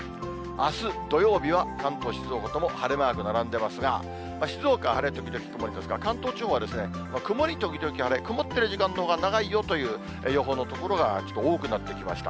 あす土曜日は、関東、静岡とも晴れマーク並んでますが、静岡は晴れ時々曇りですが、関東地方は曇り時々晴れ、曇ってる時間のほうが長いよという予報の所がちょっと多くなってきました。